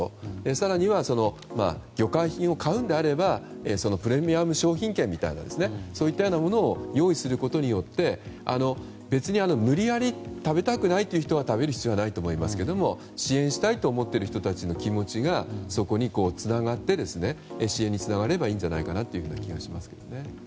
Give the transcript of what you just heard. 更には魚介品を買うのであればプレミアム商品券みたいなそういったものを用意することによって別に無理やり食べたくない人に食べさせる必要はないと思いますけど支援したいと思っている人たちの気持ちが支援につながればいいと思いますね。